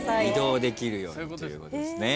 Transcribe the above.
移動できるようにということです。